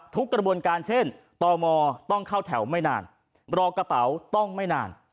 กระบวนการเช่นตมต้องเข้าแถวไม่นานรอกระเป๋าต้องไม่นาน